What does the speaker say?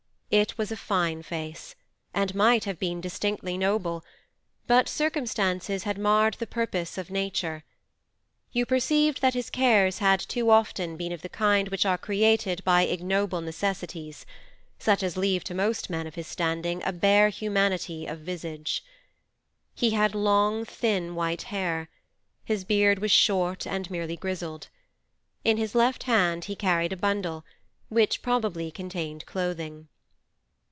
It was a fine face and might have been distinctly noble, but circumstances had marred the purpose of Nature; you perceived that his cares had too often been of the kind which are created by ignoble necessities, such as leave to most men of his standing a bare humanity of visage. He had long thin white hair; his beard was short and merely grizzled. In his left hand he carried a bundle, which probably contained clothing.